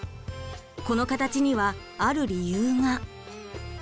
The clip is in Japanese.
この形にはある理由が。